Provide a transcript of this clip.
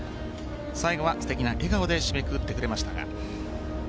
最後はすてきな笑顔で締めくくってくれました。